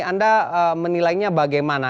anda menilainya bagaimana